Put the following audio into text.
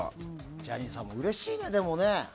ジャニーさんもうれしいだろうね。